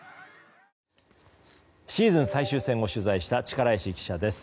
シーズン最終戦を取材した力石記者です。